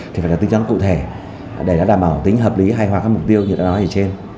thì phải là tính giá cụ thể để đảm bảo tính hợp lý hay hoặc các mục tiêu như đã nói ở trên